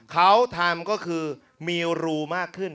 เขาทำก็คือมีรูมากขึ้น